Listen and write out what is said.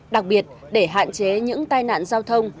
đặc biệt để hạn chế những tai nạn giao thông